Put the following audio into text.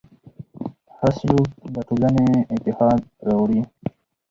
ښه سلوک د ټولنې اتحاد راوړي.